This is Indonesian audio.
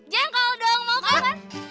jengkol dong mau kan